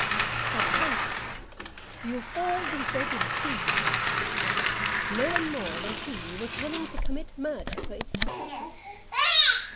But, gentlemen, you have all been greatly deceived in it; no one more than he who was willing to commit murder for its possession.